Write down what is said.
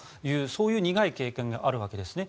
そういう苦い経験があるわけですね。